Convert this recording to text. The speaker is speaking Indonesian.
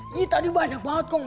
iya tadi banyak banget kong